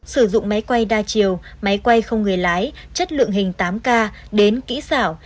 sử dụng máy quay đa chiều máy quay không người lái chất lượng hình tám k đến kỹ xảo